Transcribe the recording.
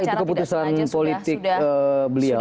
itu keputusan politik beliau